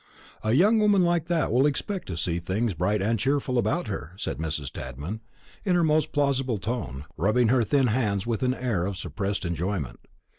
"A young woman like that will expect to see things bright and cheerful about her," said Mrs. Tadman, in her most plausible tone, and rubbing her thin hands with an air of suppressed enjoyment.